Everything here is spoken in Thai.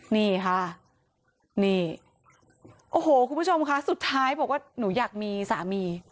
นี่ค่ะนี่โอ้โหคุณผู้ชมค่ะสุดท้ายบอกว่าหนูอยากมีสามี